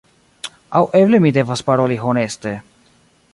Aŭ eble mi devas paroli honeste: